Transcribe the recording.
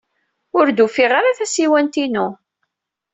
Ur d-ufiɣ ara tasiwant-inu.